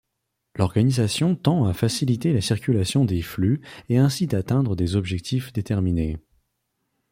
L'organisation tend à faciliter la circulation des flux et ainsi d'atteindre des objectifs déterminés.